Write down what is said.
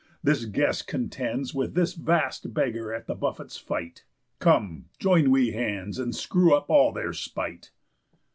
This guest contends With this vast beggar at the buffet's fight. Come, join we hands, and screw up all their spite."